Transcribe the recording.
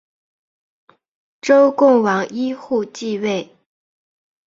周共王繄扈继位。